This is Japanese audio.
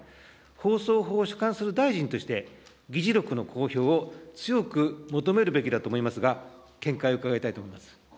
放送法を主管する大臣として、議事録の公表を強く求めるべきだと思いますが、見解を伺いたいと思います。